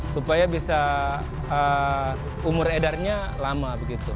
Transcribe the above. supaya bisa umur edarnya lama begitu